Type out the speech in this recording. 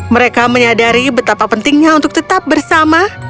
mereka menyadari betapa pentingnya untuk tetap bersama